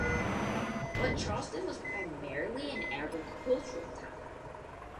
But Charleston was primarily an agricultural town.